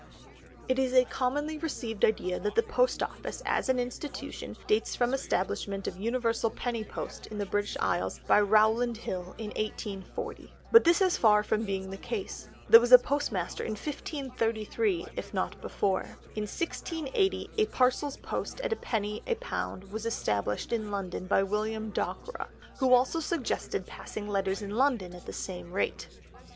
It is a commonly received idea that the Post Office as an institution dates from the establishment of universal penny post in the British Isles by Rowland Hill in 1840. But this is far from being the case; there was a postmaster in 1533, if not before. In 1680 a parcels post at a penny a pound was established in London by William Dockwra, who also suggested passing letters in London at the same rate.